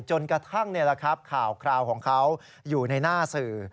จนกระทั่งนี่แหละครับข่าวคราวของเขาอยู่ในหน้าสื่อ